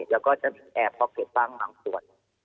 แล้วจะเป็นแอร์พอเก็ตบ้างบางส่วน